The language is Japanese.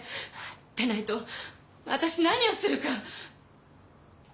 でないと私何をするか。